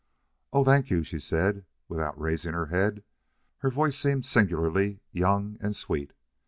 "Oh thank you," she said, without raising her head. Her voice seemed singularly young and sweet.